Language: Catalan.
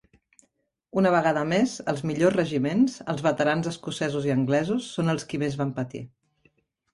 Una vegada més, els millors regiments, els veterans escocesos i anglesos, són els qui més van patir.